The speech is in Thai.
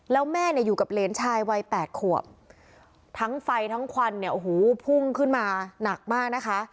แล้วแม่อยู่กับเลนชายวัย๘ขวบทั้งไฟทั้งควันพุ่งขึ้นมาหนักมาก